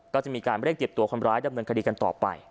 ก็จะมีการเรียกเก็บตัวคนร้ายดำเนินคดีกันต่อไป